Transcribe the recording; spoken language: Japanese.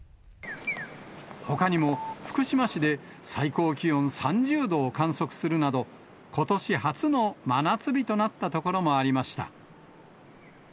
ほかにも福島市で最高気温３０度を観測するなど、ことし初の真夏日となった所もありました。